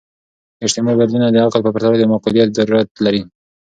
اجتماعي بدلونونه د عقل په پرتله د معقولیت ضرورت لري.